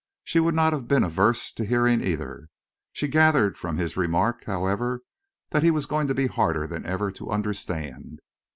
She would not have been averse to hearing either. She gathered from his remark, however, that he was going to be harder than ever to understand.